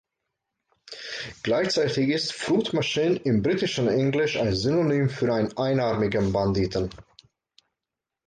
Gleichzeitig ist „Fruit machine“ im britischen Englisch ein Synonym für einen Einarmigen Banditen.